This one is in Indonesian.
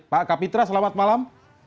pak kapitra selamat malam